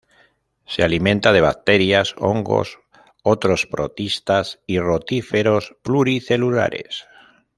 Se alimenta de bacterias, hongos, otros protistas y rotíferos pluricelulares.